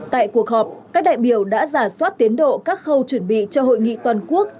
tại cuộc họp các đại biểu đã giả soát tiến độ các khâu chuẩn bị cho hội nghị toàn quốc